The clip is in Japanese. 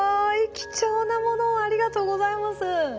貴重な物をありがとうございます。